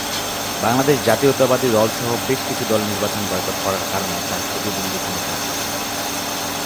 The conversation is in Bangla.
বাংলাদেশ জাতীয়তাবাদী দলসহ বেশকিছু দল নির্বাচন বয়কট করার কারণে তার প্রতিদ্বন্দ্বী কোন প্রার্থী ছিল না।